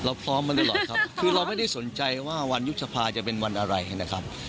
พร้อมมาตลอดครับคือเราไม่ได้สนใจว่าวันยุบสภาจะเป็นวันอะไรนะครับ